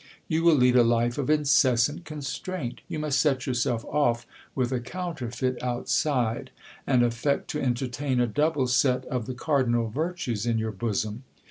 You will lead a life of incessant constraint ; you must set yourself off with a counterfeit outside, and affect to entertain a double set of the cardinal virtues in your bosom.